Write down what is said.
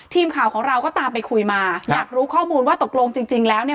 ทีมข่าวของเราก็ตามไปคุยมาอยากรู้ข้อมูลว่าตกลงจริงจริงแล้วเนี่ย